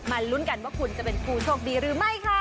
ลุ้นกันว่าคุณจะเป็นผู้โชคดีหรือไม่ค่ะ